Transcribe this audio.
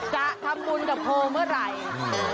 จะทำบุญกับโพลเมื่อไหร่